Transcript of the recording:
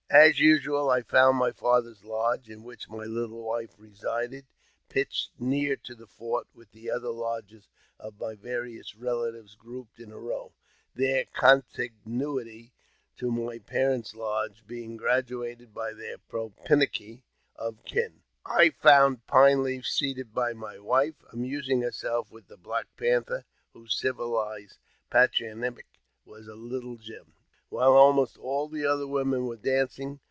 As usual, I found my father's lodge, in which my little wife resided, pitched nearest to the fort, with the other lodges of my various relatives grouped in a row, their contiguity to my parent's lodge being graduated by their propinquity of kin. I found Pine Leaf seated by my wife, amusing herself with the Black Panther (whose civilized patronymic was Little Jim), while ahiiost all the other women were dancing.